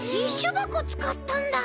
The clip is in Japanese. ばこつかったんだ！